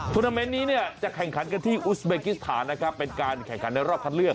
นาเมนต์นี้เนี่ยจะแข่งขันกันที่อุสเบกิสถานนะครับเป็นการแข่งขันในรอบคัดเลือก